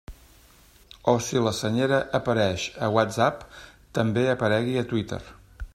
O si la Senyera apareix a WhatsApp, també aparegui a Twitter.